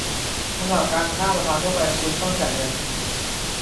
สำหรับการข้ามสะพานทั่วไป คุณต้องจ่ายเงิน